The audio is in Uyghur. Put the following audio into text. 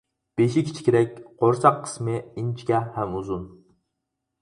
بېشى كىچىكرەك، قورساق قىسمى ئىنچىكە ھەم ئۇزۇن.